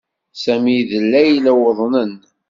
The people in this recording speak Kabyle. Sami d Layla uḍnen.